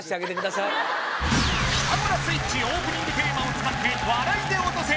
「ピタゴラスイッチオープニングテーマ」を使って笑いでオトせ